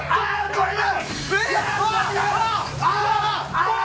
これだ！